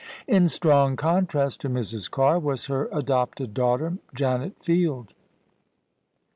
In strong contrast to Mrs. Carr was her adopted daughter, Janet Field.